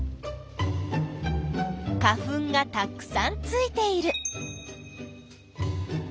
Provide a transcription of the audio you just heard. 花粉がたくさんついている。